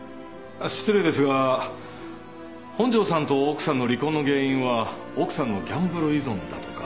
失礼ですが本庄さんと奥さんの離婚の原因は奥さんのギャンブル依存だとか。